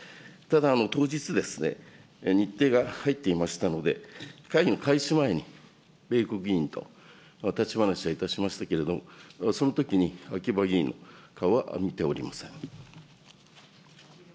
ただ、当日、日程が入っていましたので、会議の開始前に、米国議員と立ち話をいたしましたけれども、そのときに秋葉議員の顔は見ておりません。